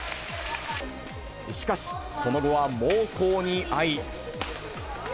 しかし、その後は猛攻に遭い。